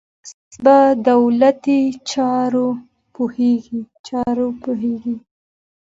اوس په دولتي چارو پوهېږي.